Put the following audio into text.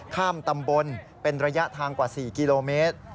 ข้ามตำบลเป็นระยะทางกว่า๔กิโลเมตร